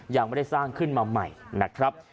ยังไม่ได้สร้างขึ้นมาใหม่นะครับ